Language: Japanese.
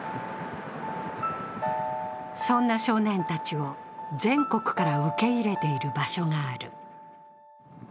そんな少年たちを、全国から受け入れている場所がある。